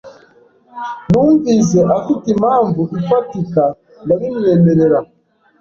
Numvise afite impamvu ifatika, ndabimwemerera.